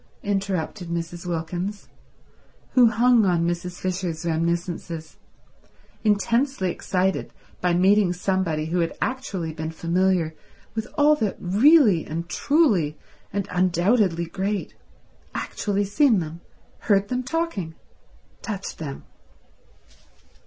interrupted Mrs. Wilkins, who hung on Mrs. Fisher's reminiscences, intensely excited by meeting somebody who had actually been familiar with all the really and truly and undoubtedly great—actually seen them, heard them talking, touched them.